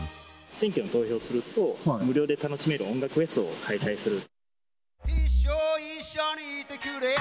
選挙に投票すると、無料で楽しめる音楽フェスを開催する。